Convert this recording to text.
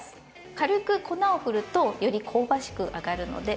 軽く粉を振るとより香ばしく揚がるので。